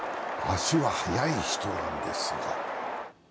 足が速い人なんですが。